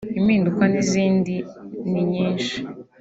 Impinduka n’izindi nyinshi